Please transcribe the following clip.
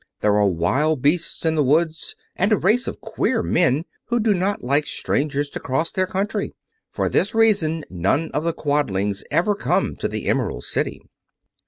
There are wild beasts in the woods, and a race of queer men who do not like strangers to cross their country. For this reason none of the Quadlings ever come to the Emerald City."